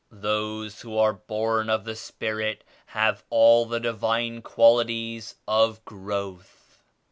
Those who are born of the Spirit have all the Divine qualities of growth.